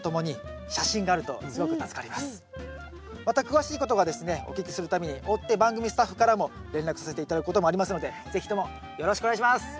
また詳しいことがですねお聞きするために追って番組スタッフからも連絡させて頂くこともありますので是非ともよろしくお願いします。